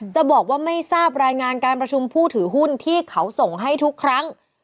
จะบอกว่าไม่ทราบรายงานการประชุมผู้ถือหุ้นที่เขาส่งให้ทุกครั้ง